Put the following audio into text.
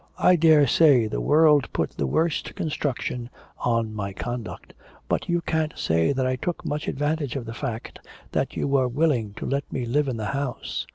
I daresay the world put the worst construction on my conduct. But you can't say that I took much advantage of the fact that you were willing to let me live in the house.